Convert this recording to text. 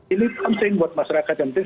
ini penting buat masyarakat yang penting